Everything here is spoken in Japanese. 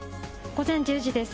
午前１０時です。